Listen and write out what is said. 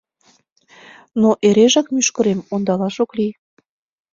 Но эрежак мӱшкырым ондалаш ок лий.